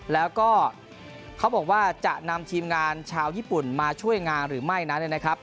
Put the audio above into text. แล้วก็เขาบอกว่าจะนำทีมงานชาวญี่ปุ่นมาช่วยงานหรือไม่นั้นนะครับ